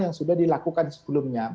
yang sudah dilakukan sebelumnya